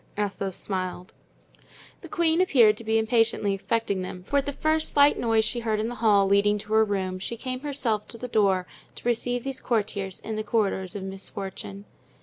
Athos smiled. The queen appeared to be impatiently expecting them, for at the first slight noise she heard in the hall leading to her room she came herself to the door to receive these courtiers in the corridors of Misfortune.